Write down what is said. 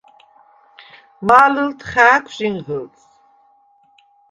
მა̄ლჷლდდ ხა̄̈ქუ̂ ჟინღჷლდს: